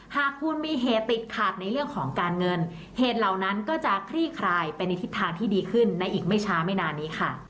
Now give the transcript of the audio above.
หากคุณมีเหตุติดขัดในเรื่องของการเงินเหตุเหล่านั้นก็จะคลี่คลายไปในทิศทางที่ดีขึ้นในอีกไม่ช้าไม่นานนี้ค่ะ